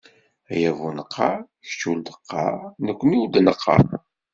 Ay abuneqqar: kečč ur d-qqar, nekkni ur d-neqqar!